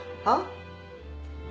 あっ？